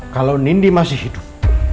kalau nindy masih hidup